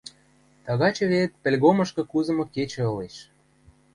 Тагачы вет пӹлгомышкы кузымы кечӹ ылеш...